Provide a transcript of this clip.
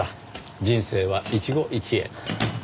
人生は一期一会。